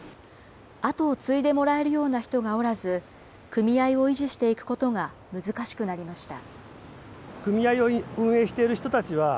後を継いでもらえるような人がおらず、組合を維持していくことが難しくなりました。